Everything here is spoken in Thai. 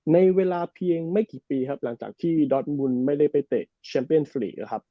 ในเวลาเพียงไม่กี่ปีครับหลังจากที่ดอสมุนไม่ได้ไปเตะแชมเปียนฟรีนะครับ